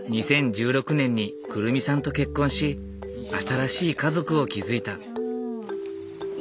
２０１６年に来未さんと結婚し新しい家族を築いた。